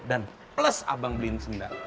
dan plus abang beliin sendal